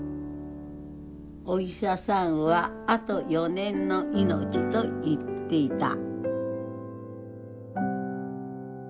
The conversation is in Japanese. お医者さんはあと４年の命と言っていた。